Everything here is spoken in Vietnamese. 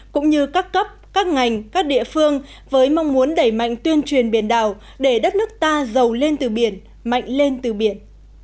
cũng như các cấp các ngành các địa phương với mong muốn đẩy mạnh tuyên truyền biển đảo để đất nước ta giàu lên từ biển mạnh lên từ biển